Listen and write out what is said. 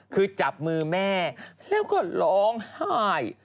คือจับมือแม่แล้วก็ร้องไห้